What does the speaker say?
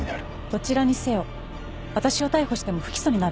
どちらにせよ私を逮捕しても不起訴になるわ。